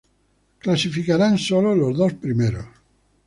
Clasificarán solo los dos primeros.